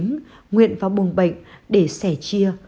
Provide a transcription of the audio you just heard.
nguyện vào buồn bệnh để sẻ chia